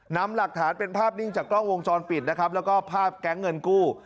นำหลักฐานเป็นภาพนิ่งจากกล้องวงจรปิดนะครับแล้วก็ภาพแก๊งเงินกู้